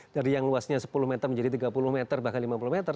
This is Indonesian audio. dari yang luasnya sepuluh meter menjadi tiga puluh meter bahkan lima puluh meter